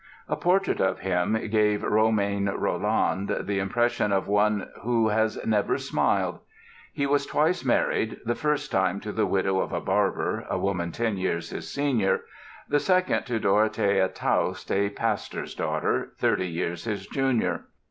A portrait of him gave Romain Rolland "the impression of one who has never smiled." He was twice married, the first time to the widow of a barber, a woman ten years his senior, the second to Dorothea Taust, a pastor's daughter, thirty years his junior.